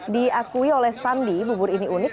diakui oleh sandi bubur ini unik